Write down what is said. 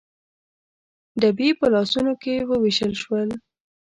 ډبي په لاسونو کې ووېشل شول.